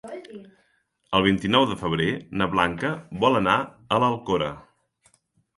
El vint-i-nou de febrer na Blanca vol anar a l'Alcora.